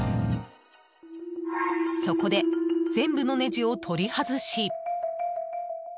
そこで、全部のネジを取り外し。